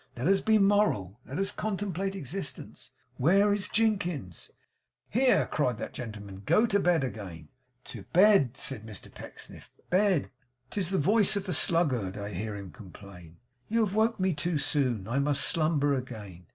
Let us be moral. Let us contemplate existence. Where is Jinkins?' 'Here,' cried that gentleman. 'Go to bed again' 'To bed!' said Mr Pecksniff. 'Bed! 'Tis the voice of the sluggard, I hear him complain, you have woke me too soon, I must slumber again.